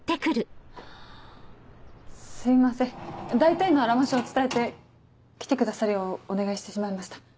すいません大体のあらましを伝えて来てくださるようお願いしてしまいました。